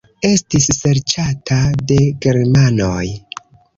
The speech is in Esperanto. Estis serĉata de germanoj.